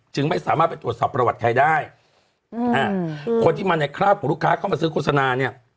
ไม่สามารถไปตรวจสอบประวัติใครได้อืมอ่าคนที่มาในคราบของลูกค้าเข้ามาซื้อโฆษณาเนี่ย